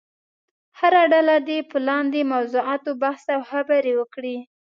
هره ډله دې په لاندې موضوعاتو بحث او خبرې وکړي.